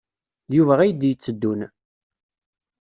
D Yuba ay d-yetteddun.